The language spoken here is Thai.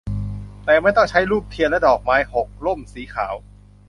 แต่ไม่ต้องใช้ธูปเทียนและดอกไม้ หก ร่มสีขาว